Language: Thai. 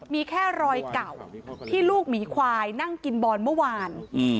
มีแค่รอยเก่าที่ลูกหมีควายนั่งกินบอลเมื่อวาน